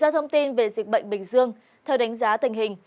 thông tin về dịch bệnh bình dương theo đánh giá tình hình